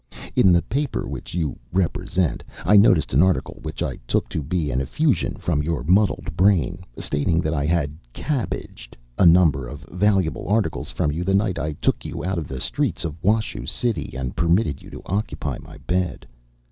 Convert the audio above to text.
In the paper which you represent, I noticed an article which I took to be an effusion from your muddled brain, stating that I had "cabbaged" a number of valuable articles from you the night I took you out of the streets of Washoe City and permitted you to occupy my bed.